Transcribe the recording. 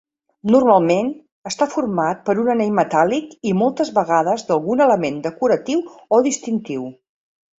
Normalment, està format per un anell metàl·lic i moltes vegades d'algun element decoratiu o distintiu.